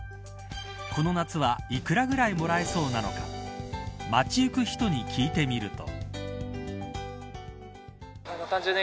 この夏は幾らぐらいもらえそうなのか街行く人に聞いてみると。